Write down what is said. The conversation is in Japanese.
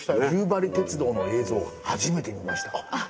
夕張鉄道の映像を初めて見ました。